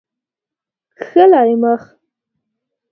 کښلی مخ